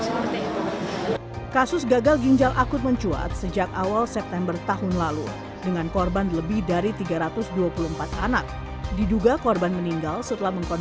ketika saya mengetahui kalau anak saya terancur saya minta kandilan untuk kementerian kesehatan bepom